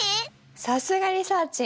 さすがリサーちん！